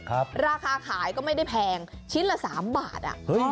ราคาขายก็ไม่ได้แพงชิ้นละสามบาทอ่ะ